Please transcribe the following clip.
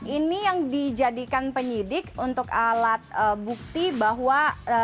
ini yang dijadikan penyidik untuk alat bukti bahwa